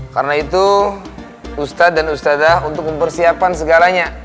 karena itu ustadz dan ustadzah untuk mempersiapkan segalanya